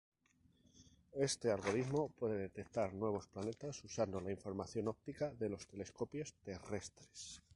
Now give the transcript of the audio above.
Este algoritmo puede detectar nuevos planetas usando la información óptica de los telescopios terrestres.